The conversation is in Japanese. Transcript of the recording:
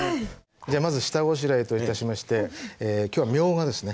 じゃあまず下ごしらえといたしましてきょうはみょうがですね。